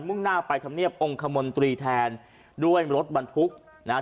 ่งหน้าไปธรรมเนียบองค์คมนตรีแทนด้วยรถบรรทุกนะฮะ